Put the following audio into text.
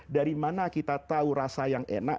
dari mana kita tahu rasa yang enak